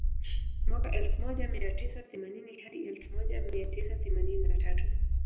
Mwaka elfu moja mia tisa themanini hadi elfu moja mia tisa themanini na tatu